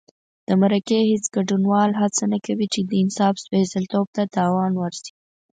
د مرکې هېڅ ګډونوال هڅه نه کوي چې د انصاف سپېڅلتوب ته تاوان ورسي.